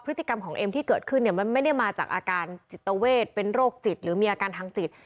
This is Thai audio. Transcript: พฤติกรรมของเอ็มที่เกิดขึ้นเนี่ยมันไม่ได้มาจากอาการจิตเวทเป็นโรคจิตหรือมีอาการทางจิต